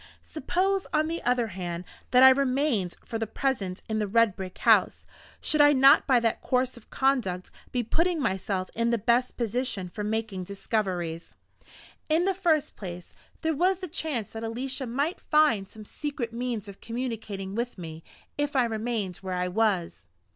Suppose, on the other hand, that I remained for the present in the red brick house should I not by that course of conduct be putting myself in the best position for making discoveries? In the first place, there was the chance that Alicia might find some secret means of communicating with me if I remained where I was.